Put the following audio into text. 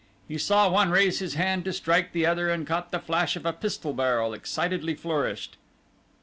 He saw one raise his hand to strike the other and caught the flash of a pistol barrel excitedly flourished.